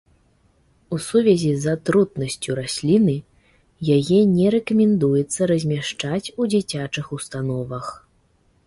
У сувязі з атрутнасцю расліны яе не рэкамендуецца размяшчаць у дзіцячых установах.